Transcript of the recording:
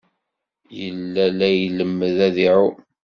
Yella la ilemmed ad iɛum.